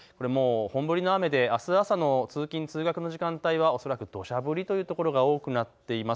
本降りの雨であす朝の通勤、通学の時間帯は恐らくどしゃ降りというところが多くなっています。